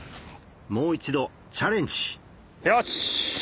もう一度チャレンジよし！